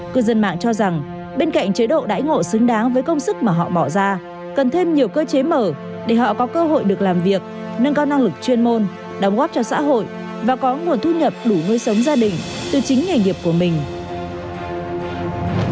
cư dân mạng mong rằng việc quan tâm xây dựng và phát triển y tế cơ sở nhất là về đội ngũ y bác sĩ ngay từ bây giờ càng trở nên cấp thiết